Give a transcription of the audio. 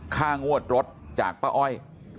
ค่างวดรถจากป้าอ้อย